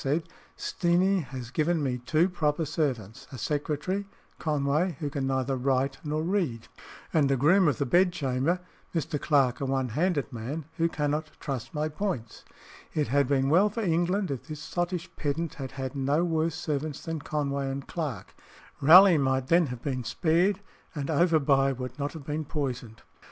said, "Steenie has given me two proper servants a secretary (Conway) who can neither write nor read, and a groom of the bedchamber (Mr. Clarke, a one handed man) who cannot truss my points." It had been well for England if this sottish pedant had had no worse servants than Conway and Clarke. Raleigh might then have been spared, and Overbuy would not have been poisoned.